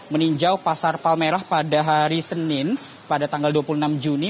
meninjau pasar palmerah pada hari senin pada tanggal dua puluh enam juni